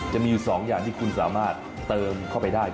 จะมีอยู่๒อย่างที่คุณสามารถเติมเข้าไปได้